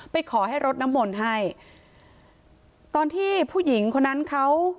ขอให้รดน้ำมนต์ให้ตอนที่ผู้หญิงคนนั้นเขา